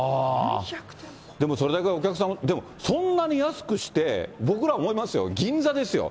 でもそれだけお客さん、でもそんなに安くして、僕ら思いますよ、銀座ですよ。